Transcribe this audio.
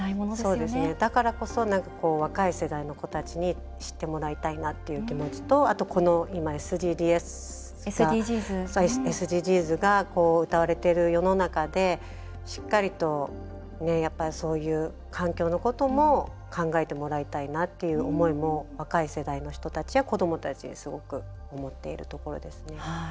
だからこそ、若い世代の子たちに知ってもらいたいなって気持ちとあと、このＳＤＧｓがうたわれてる世の中でしっかりと、やっぱりそういう環境のことも考えてもらいたいなという思いも若い世代の人たちや子どもたちにすごく思っているところですね。